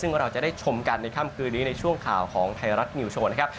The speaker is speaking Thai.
ซึ่งเราจะได้ชมกันในค่ำคืนนี้ในช่วงข่าวของไทยรัฐนิวโชว์นะครับ